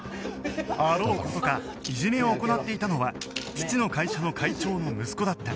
あろう事かいじめを行っていたのは父の会社の会長の息子だった